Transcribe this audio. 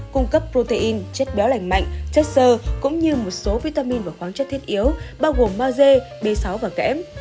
cung cấp protein chất béo lành mạnh chất sơ cũng như một số vitamin và khoáng chất thiết yếu bao gồm maze b sáu và kẽm